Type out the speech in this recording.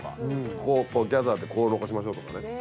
ここをこうギャザーでこう残しましょうとかね。